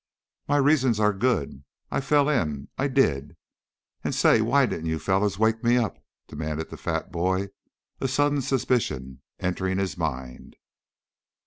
"My reasons are good. I I fell in, I did. And say, why didn't you fellows wake me up?" demanded the fat boy, a sudden suspicion entering his mind.